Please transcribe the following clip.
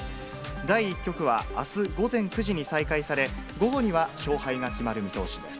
第１局は、あす午前９時に再開され、午後には勝敗が決まる見通しです。